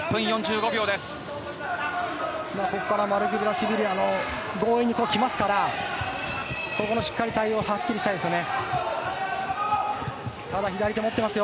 ここからマルクベラシュビリは強引に来ますからしっかり対応はっきりしたいですね。